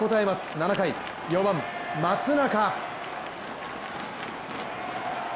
７回、４番・松中！